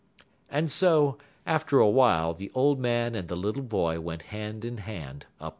And so, after a while, the old man and the little boy went hand in hand up the path.